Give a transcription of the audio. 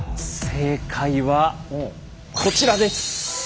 正解はこちらです。